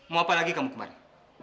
mau apa lagi kamu kemarin